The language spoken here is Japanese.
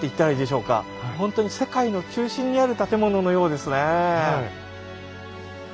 ほんとに世界の中心にある建物のようですね。